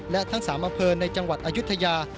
และทั้ง๓อำเภอในจังหวัดอายุทยา